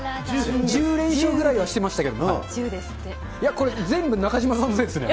１０連勝ぐらいはしてましたけど。